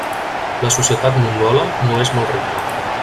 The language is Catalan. La societat mongola no és molt rica.